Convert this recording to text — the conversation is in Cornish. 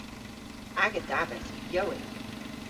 Aga davas yw yowynk.